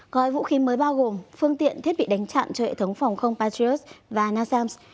gói vũ khí mới bao gồm phương tiện thiết bị đánh chặn cho hệ thống phòng không patriot và nasams